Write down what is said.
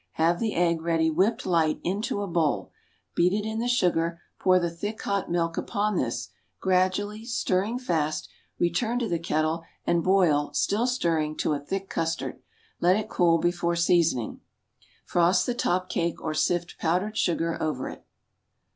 Have the egg ready whipped light into a bowl; beat it in the sugar; pour the thick hot milk upon this, gradually, stirring fast, return to the kettle and boil (still stirring,) to a thick custard. Let it cool before seasoning. Frost the top cake, or sift powdered sugar over it.